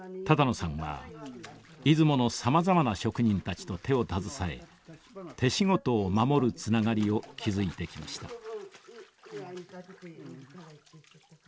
多々納さんは出雲のさまざまな職人たちと手を携え手仕事を守るつながりを築いてきました。